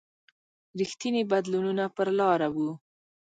رښتیني بدلونونه پر لاره و.